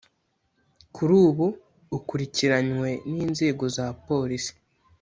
kuri ubu ukurikirwanywe n’inzego za polisi